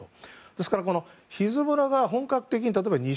ですからヒズボラが本格的二